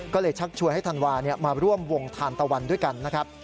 ก็เลยชักชวนให้ธันวามาร่วมวงทานตะวันด้วยกันนะครับ